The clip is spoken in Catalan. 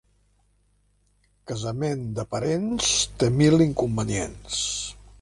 Casament de parents té mil inconvenients.